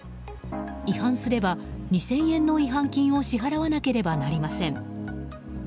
違反すれば２０００円の違反金を支払わなければなりません。